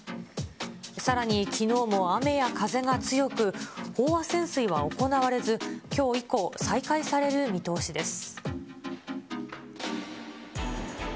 さらにきのうも雨や風が強く、飽和潜水は行われず、きょう以降、再開される見通しです。